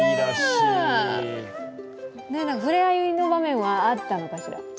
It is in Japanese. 触れ合いの場面はあったのかしら？